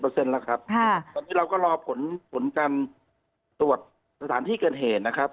เปอร์เซ็นต์แล้วครับค่ะตอนนี้เราก็รอผลผลการตรวจสถานที่เกิดเหตุนะครับ